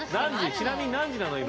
ちなみに何時なの今。